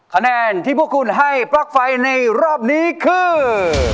คะแนนที่พวกคุณให้ปลั๊กไฟในรอบนี้คือ